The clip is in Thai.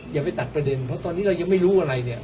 อย่าไปตัดประเด็นเพราะตอนนี้เรายังไม่รู้อะไรเนี่ย